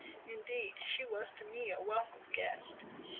Indeed, she was to me a welcome guest.